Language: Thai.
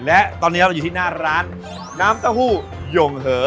และตอนนี้เราอยู่ที่หน้าร้านน้ำเต้าหู้ยงเหอ